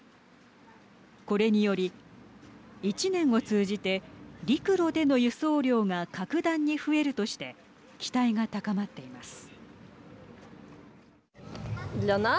これにより１年を通じて陸路での輸送量が格段に増えるとして期待が高まっています。